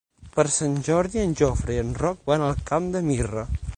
Per Sant Jordi en Jofre i en Roc van al Camp de Mirra.